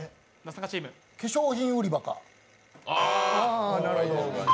化粧品売り場か？